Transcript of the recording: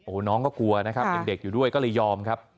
โอ้โหน้องก็กลัวนะครับยังเด็กอยู่ด้วยก็เลยยอมครับ